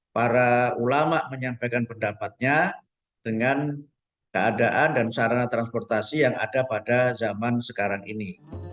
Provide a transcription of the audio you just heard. para ulama menyampaikan pendapatnya dengan keadaan dan sarana transportasi yang ada pada zaman sekarang ini